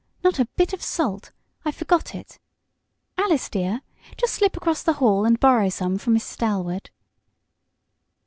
"Not a bit of salt. I forgot it. Alice, dear, just slip across the hall and borrow some from Mrs. Dalwood."